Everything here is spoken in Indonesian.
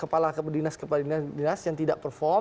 kepala keberdinas keberdinas yang tidak perform